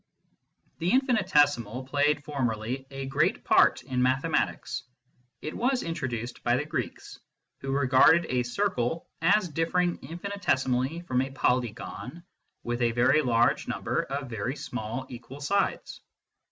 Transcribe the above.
The infinitesimal played formerly a great part in mathematics. It was introduced by the Greeks, who regarded a circle as differing infinitesimally from a polygon with a very large number of very small equal sides.